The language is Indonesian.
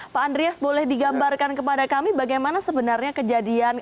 pak andreas boleh digambarkan kepada kami bagaimana sebenarnya kejadian